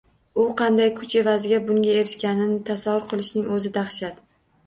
U qanday kuch evaziga bunga erishganini tasavvur qilishning o`zi dahshat